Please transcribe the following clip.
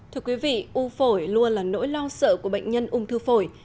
thưa quý vị u phổi luôn là nỗi lo sợ của bệnh nhân ung thư phổi